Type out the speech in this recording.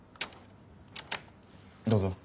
どうぞ。